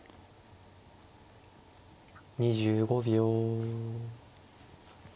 ２５秒。